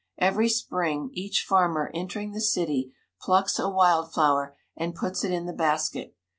Every spring each farmer entering the city plucks a wild flower, and puts it in the basket.